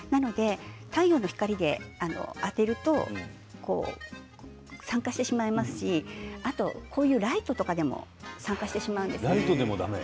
太陽の光で当てると酸化してしまいますしライトとかでも酸化してしまうんですね。